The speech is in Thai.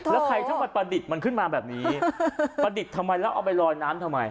แล้วใครถ้ามันประดิษฐ์มันขึ้นมาแบบนี้ประดิษฐ์ทำไมแล้วเอาไปลอยน้ำทำไม